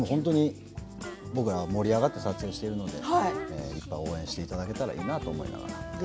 今回、盛り上がって撮影をしているので皆さん応援していただけたらいいかなと思います。